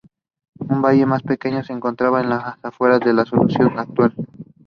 He then began to publish several books and papers in both Yoruba and English.